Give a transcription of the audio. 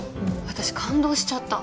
私感動しちゃった。